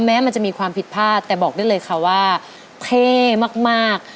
แม้มันจะมีความผิดพลาดแต่บอกได้เลยค่ะว่าเท่มาก